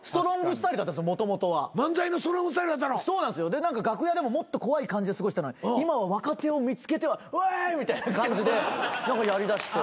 で何か楽屋でももっと怖いで過ごしたのに今は若手を見つけては「おい」みたいな感じで何かやりだして。